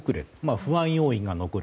不安要因が残る。